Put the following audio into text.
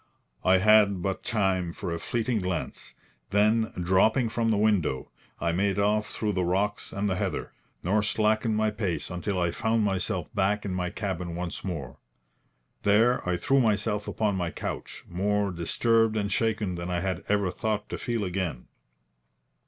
I had but time for a fleeting glance; then, dropping from the window, I made off through the rocks and the heather, nor slackened my pace until I found myself back in my cabin once more. There I threw myself upon my couch, more disturbed and shaken than I had ever thought to feel again.